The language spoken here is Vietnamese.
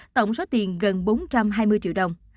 tổng số tiền gần bốn trăm hai mươi triệu đồng